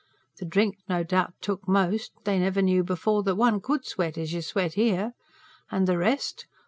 The drink no doubt's took most: they never knew before that one COULD sweat as you sweat here. And the rest?